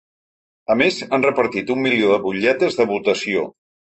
A més, han repartit un milió de butlletes de votació.